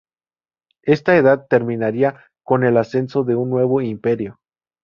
Esta edad terminaría con el ascenso de un Nuevo Imperio.